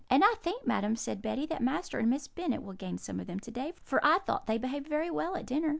"'And I think, madam,' said Betty, 'that Master and Miss Bennet will gain some of them to day, for I thought they behaved very well at dinner.'